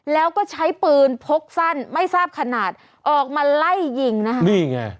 แล้วก็ใช้ปืนพกสั้นไม่ทราบขนาดออกมาไล่ยิงนะคะนี่ไง